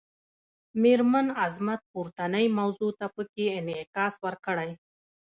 میرمن عظمت پورتنۍ موضوع ته پکې انعکاس ورکړی.